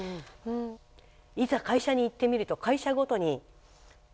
いざ会社に行ってみると会社ごとに全然違う。